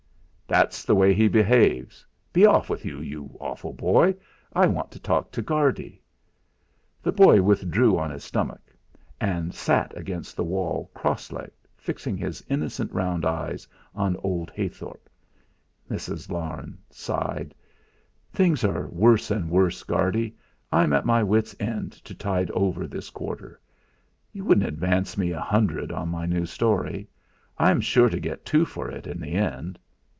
"That's the way he behaves. Be off with you, you awful boy. I want to talk to Guardy." The boy withdrew on his stomach, and sat against the wall cross legged, fixing his innocent round eyes on old Heythorp. Mrs. Larne sighed. "Things are worse and worse, Guardy. I'm at my wits' end to tide over this quarter. You wouldn't advance me a hundred on my new story? I'm sure to get two for it in the end."